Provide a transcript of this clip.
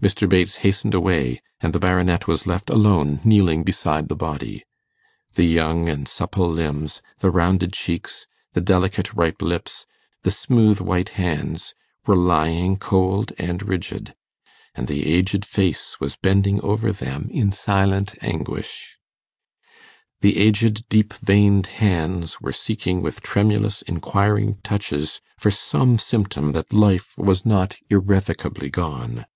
Mr. Bates hastened away, and the Baronet was left alone kneeling beside the body. The young and supple limbs, the rounded cheeks, the delicate ripe lips, the smooth white hands, were lying cold and rigid; and the aged face was bending over them in silent anguish; the aged deep veined hands were seeking with tremulous inquiring touches for some symptom that life was not irrevocably gone.